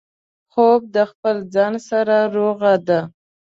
خوب د خپل ځان سره روغه ده